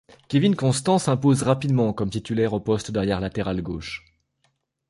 Kevin Constant s'impose rapidement comme titulaire au poste d'arrière latéral gauche.